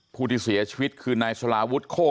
ผู้ที่เสียชีวิตคืนนายศาลาวุธโคร่เข่า